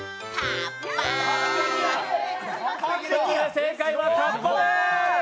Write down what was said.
正解はカッパです。